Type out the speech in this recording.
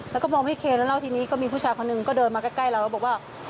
แล้วก็มองไม่เคนแล้วแล้วทีนี้ก็มีผู้ชายคนหนึ่งก็เดินมาใกล้เราแล้วบอกว่า